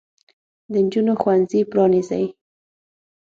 د نجونو ښوونځي پرانیزئ.